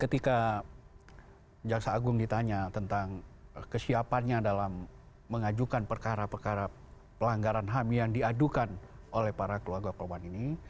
ketika jaksa agung ditanya tentang kesiapannya dalam mengajukan perkara perkara pelanggaran ham yang diadukan oleh para keluarga korban ini